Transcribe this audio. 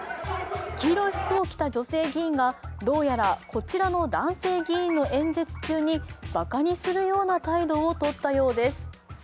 黄色い服を着た女性議員がどうやらこちらの男性議員の演説中にばかにするような態度をとったようです。